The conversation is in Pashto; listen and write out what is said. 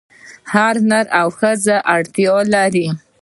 هر نر او ښځه اړتیا لري.